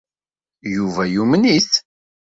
Yuba yumen-it.